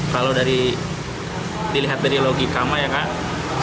kalau dari dilihat dari logikama ya kak